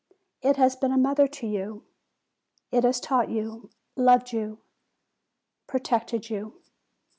It has been a mother to you : it has taught you, loved you, pro tected you.